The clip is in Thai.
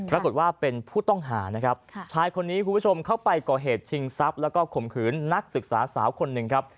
ปรากฏว่าเป็นผู้ต้องหานะครับชายคนนี้คุณผู้ชมเข้าไปก่อเหตุชิงทรัพย์แล้วก็ข่มขืนนักศึกษาสาวคนหนึ่งครับ